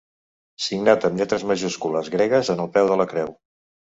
Signat amb lletres majúscules gregues en el peu de la Creu.